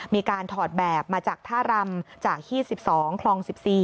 มีการถอดแบบมาจากท่ารำจากขี้๑๒คลอง๑๔